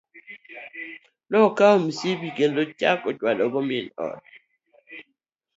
Nokawo misip kendo chako chwade go min ode.